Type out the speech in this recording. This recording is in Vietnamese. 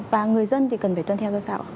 và người dân thì cần phải tuân theo như sao ạ